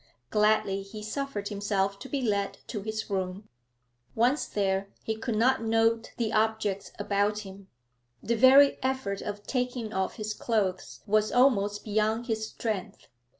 Gladly he suffered himself to be led to his room; once there, he could not note the objects about him; the very effort of taking off his clothes was almost beyond his strength.